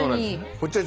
こっちはね